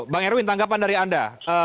bang erwin tanggapan dari anda